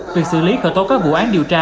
việc xử lý khởi tố các vụ án điều tra